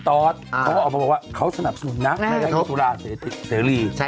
ตอนนี้สุราเสรี